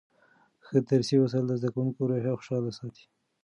ښه درسي وسایل د زده کوونکو روحیه خوشحاله ساتي.